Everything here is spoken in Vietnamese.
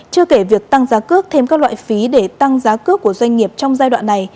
chưa kể việc tăng giá cước thêm các loại phí để tăng giá cước của doanh nghiệp trong giai đoạn này